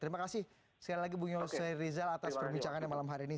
terima kasih sekali lagi bung yose rizal atas perbincangannya malam hari ini